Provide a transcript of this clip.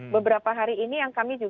beberapa hari ini ya pak gubernur